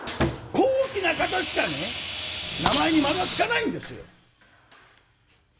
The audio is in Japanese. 高貴な方しかね名前に「丸」は付かないんですよ。